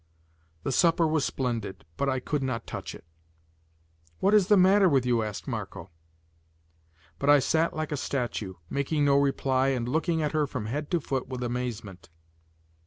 The supper was splendid, but I could not touch it. "What is the matter with you?" asked Marco. But I sat like a statue, making no reply and looking at her from head to foot with amazement.